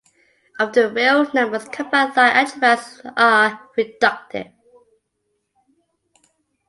Over the real numbers, compact Lie algebras are reductive.